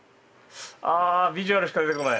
あビジュアルしか出てこない。